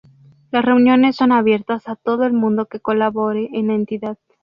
Las reuniones son abiertas a todo el mundo que colabore en la entidad.